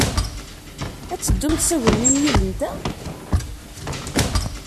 Ad teddumt s agelmim yid-nteɣ?